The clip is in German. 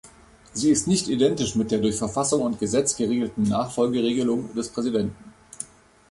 Sie ist nicht identisch mit der durch Verfassung und Gesetz geregelten Nachfolgeregelung des Präsidenten.